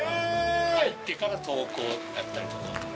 入ってから登校だったりとか。